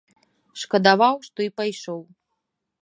Шкадаваў, што і пайшоў.